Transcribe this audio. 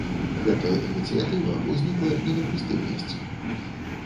Гэтая ініцыятыва ўзнікла не на пустым месцы.